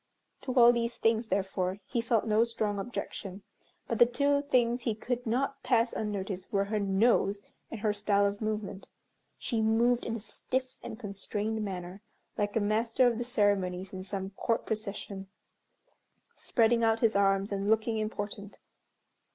To all these things, therefore, he felt no strong objection; but the two things he could not pass unnoticed were her nose, and her style of movement. She moved in a stiff and constrained manner, like a master of the ceremonies in some Court procession, spreading out his arms and looking important.